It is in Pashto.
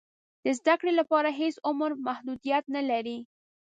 د زده کړې لپاره هېڅ عمر محدودیت نه لري.